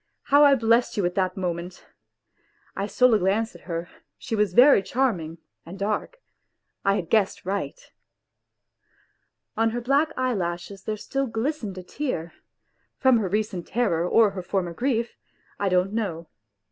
How I blessed you at that moment ! I stole a glance at her, she was very charming and dark I had guessed right. On her black eyelashes there still glistened a tear from her recent terror or her former grief I don't know.